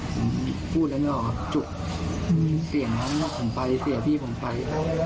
ครับพูดแล้วไม่รอจุกเสียงนั้นผมไปเสียพี่ผมไป